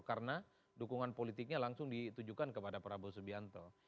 karena dukungan politiknya langsung ditujukan kepada prabowo subianto